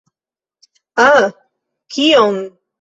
Ah? Kion?